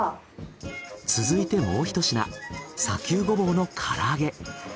続いてもうひと品砂丘ゴボウのから揚げ。